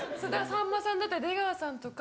さんまさんだったり出川さんとか。